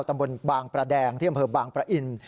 ตำบลบางประแดงที่อำเภอบางประอิน